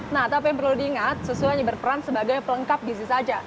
nah tapi yang perlu diingat susu hanya berperan sebagai pelengkap gizi saja